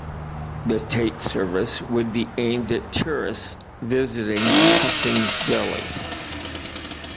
The Tait service would be aimed at tourists visiting Puffing Billy.